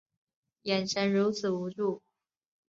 眼神如此无助